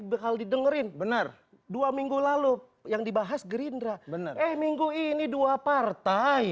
bekal didengerin benar dua minggu lalu yang dibahas gerindra bener eh minggu ini dua partai